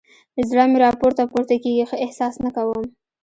زړه مې راپورته پورته کېږي؛ ښه احساس نه کوم.